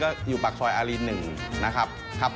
ก็อยู่ปากซอยอารี๑นะครับ